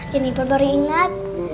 jenibor baru ingat